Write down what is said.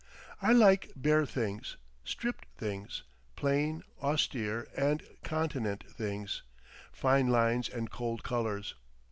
I like bare things, stripped things, plain, austere and continent things, fine lines and cold colours.